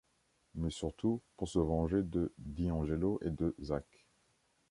Mais surtout pour se venger de Di Angelo et de Zach.